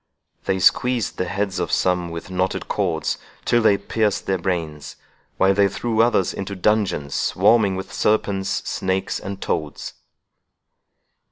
They squeezed the heads of some with knotted cords till they pierced their brains, while they threw others into dungeons swarming with serpents, snakes, and toads."